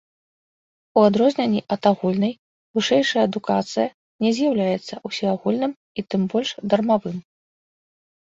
У адрозненні ад агульнай, вышэйшая адукацыя не з'яўляецца ўсеагульным і тым больш дармавым.